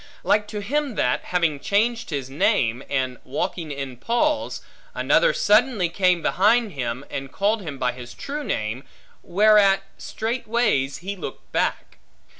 Like to him that, having changed his name, and walking in Paul's, another suddenly came behind him, and called him by his true name, whereat straightways he looked back.